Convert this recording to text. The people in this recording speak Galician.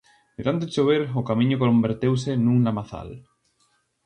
De tanto chover, o camiño converteuse nun lamazal.